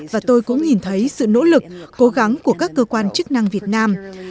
và tôi cũng nhìn thấy sự nỗ lực cố gắng của các cơ quan chức năng việt nam